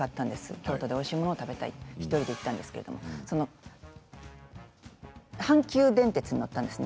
京都でおいしいもの食べたいと１人で行ったんですけれど阪急電鉄に乗ったんですね。